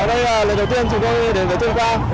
ở đây lần đầu tiên chúng tôi đến với tuyên quang